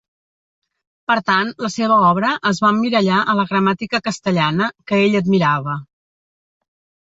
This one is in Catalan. Per tant, la seva obra es va emmirallar a la gramàtica castellana, que ell admirava.